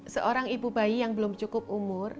seorang ibu bayi yang belum cukup umur